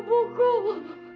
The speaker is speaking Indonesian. mereka menyentuh tubuhku